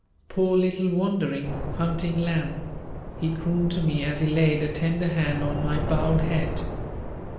"Poor little wandering, hunting lamb," he crooned to me as he laid a tender hand on my bowed head.